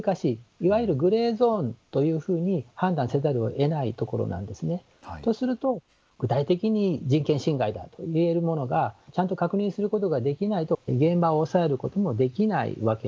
いわゆるグレーゾーンというふうに判断せざるをえないところなんですね。とすると具体的に人権侵害だと言えるものがちゃんと確認することができないと現場を押さえることもできないわけなんですね。